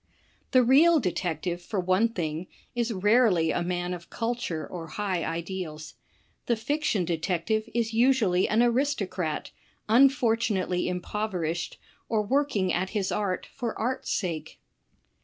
The real detective, for one thing, is rarely a man of cul ture or high ideals. The fiction detective is usually an aristocrat, unfortunately impoverished, or working at his art for art's sake.